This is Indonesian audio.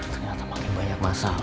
ternyata makin banyak masalah